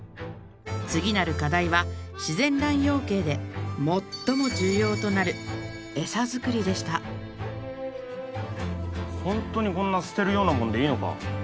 次なる課題は自然卵養鶏で最も重要となるホントにこんな捨てるようなもんでいいのか？